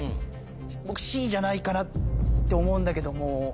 僕Ｃじゃないかなって思うんだけども。